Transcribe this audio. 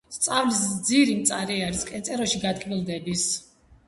სწავლის ძირი მწარე არის კენწეროში გატკბილდების.